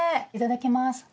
いただきます。